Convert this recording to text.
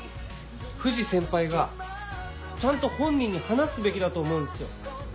藤先輩がちゃんと本人に話すべきだと思うんですよ。